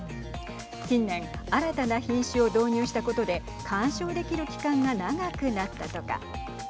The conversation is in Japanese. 近年新たな品種を導入したことで鑑賞できる期間が長くなったとか。